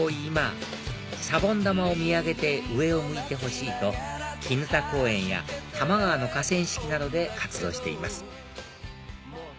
今シャボン玉を見上げて上を向いてほしいと砧公園や多摩川の河川敷などで活動しています